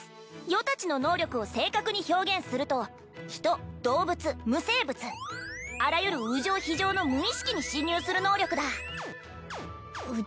余達の能力を正確に表現すると人動物無生物あらゆる有情非情の無意識に侵入する能力だう